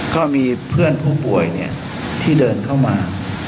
ก็มีเพื่อนผู้ป่วยที่เดินเข้ามา